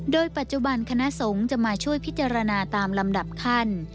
โดยปัจจุบันคณะสงฆ์จะมาช่วยพิจารณาตามลำดับขั้น